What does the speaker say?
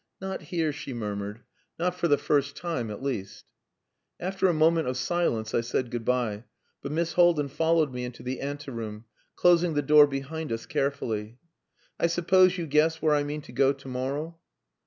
"Not here," she murmured. "Not for the first time, at least." After a moment of silence I said good bye, but Miss Haldin followed me into the ante room, closing the door behind us carefully. "I suppose you guess where I mean to go tomorrow?"